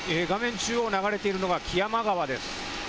中央を流れているのが木山川です。